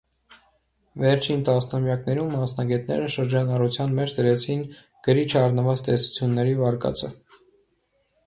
Վերջին տասնամյակներում մասնագետները շրջանառության մեջ դրեցին «գրի չառնված տեսությունների» վարկածը։